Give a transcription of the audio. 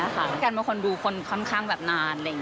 การเมืองควรดูคนค่อนข้างนาน